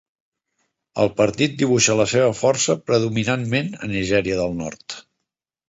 El partit dibuixa la seva força predominantment a Nigèria del Nord.